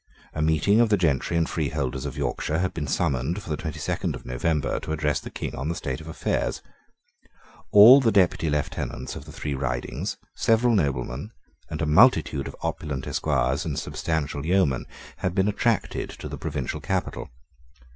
A meeting of the gentry and freeholders of Yorkshire had been summoned for the twenty second of November to address the King on the state of affairs. All the Deputy Lieutenants of the three Ridings, several noblemen, and a multitude of opulent esquires and substantial yeomen had been attracted to the provincial capital.